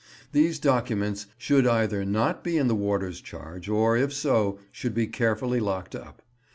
These documents should either not be in the warders' charge, or if so, should be carefully locked up.